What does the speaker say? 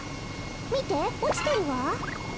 みておちてるわ。